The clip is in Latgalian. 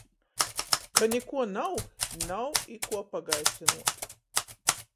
Ka nikuo nav, nav i kuo pagaisynuot.